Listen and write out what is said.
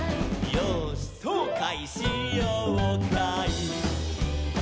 「よーしそうかいしようかい」